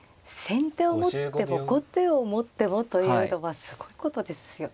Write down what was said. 先手を持っても後手を持ってもというのはすごいことですよね。